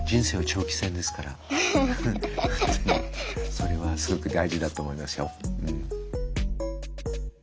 それはすごく大事だと思いますよ。